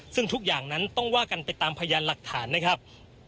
ซึ่งทุกอย่างนั้นต้องว่ากันไปตามพยานหลักฐานนะครับ